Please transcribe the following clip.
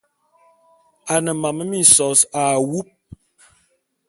A ne mam minsōs a wub.